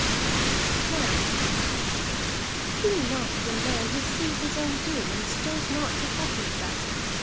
"Now," cried Asdis, "be not as a man who sees his own doom, and stirs not to help himself.